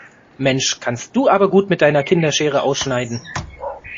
Mensch, kannst du aber gut mit deiner Kinderschere ausschneiden.